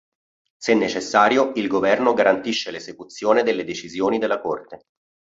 Se necessario, il Governo garantisce l'esecuzione delle decisioni della Corte.